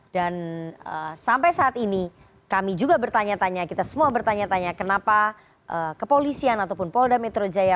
dan sampai saat ini kami juga bertanya tanya kita semua bertanya tanya kenapa kepolisian ataupun polda metro jaya